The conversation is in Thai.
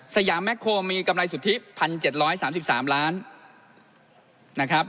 สยามแมคโครมมีกำไรสุทธิ๑๗๓๓ล้านบาท